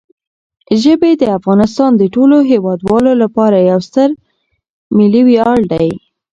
ژبې د افغانستان د ټولو هیوادوالو لپاره یو ډېر ستر ملي ویاړ دی.